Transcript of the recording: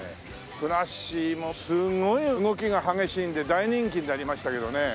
ふなっしーもすごい動きが激しいんで大人気になりましたけどね。